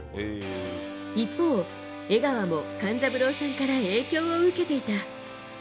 一方、江川も勘三郎さんから影響を受けていた。